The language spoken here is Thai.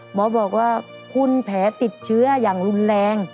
หมอบอกว่าคุณแผลติดเชื้ออย่างรุนแรง